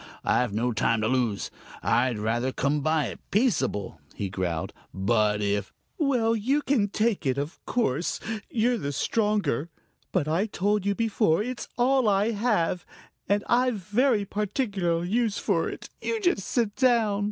I've no time to lose. I'd rather come by it peaceable," he growled, "but if " "Well, you can take it; of course, you're the stronger. But I told you before, it's all I have, and I've very particular use for it. You just sit down!"